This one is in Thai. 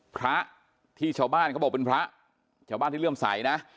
พระที่ชาวบ้านเขาบอกเป็นพระชาวบ้านที่เริ่มใสนะ